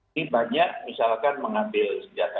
ini banyak misalkan mengambil senjata